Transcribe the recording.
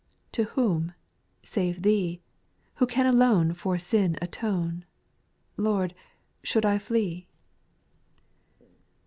To whom, save Thee, Who can alone For sin atone. Lord, shall I flee